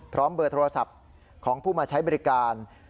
เบอร์โทรศัพท์ของผู้มาใช้บริการ